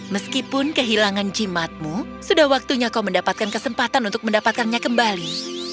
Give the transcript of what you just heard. meskipun kehilangan jimatmu sudah waktunya kau mendapatkan kesempatan untuk mendapatkannya kembali